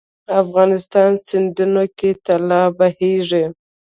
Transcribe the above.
افغانستان سیندونو کې طلا بهیږي